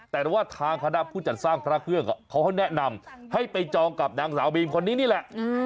แต่ว่าทางคณะผู้จัดสร้างพระเครื่องเขาแนะนำให้ไปจองกับนางสาวบีมคนนี้นี่แหละ